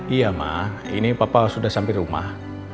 iya mak ini papa sudah sampai rumah